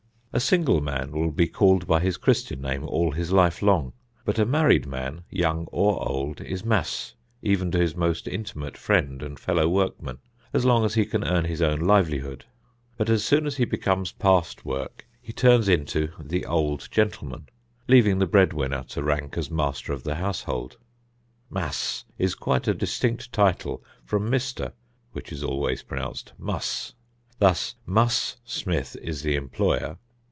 A single man will be called by his Christian name all his life long; but a married man, young or old, is "Master" even to his most intimate friend and fellow workmen, as long as he can earn his own livelihood; but as soon as he becomes past work he turns into "the old gentleman," leaving the bread winner to rank as master of the household. "Master" is quite a distinct title from "Mr." which is always pronounced Mus, thus: "Mus" Smith is the employer.